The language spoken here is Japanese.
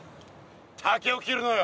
竹を切るのよ。